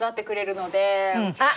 あっ！